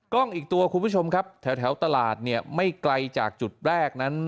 อีกตัวคุณผู้ชมครับแถวตลาดเนี่ยไม่ไกลจากจุดแรกนั้น